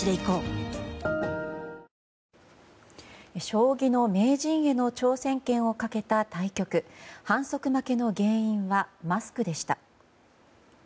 将棋の名人への挑戦権をかけた対局反則負けの原因はマスクでした。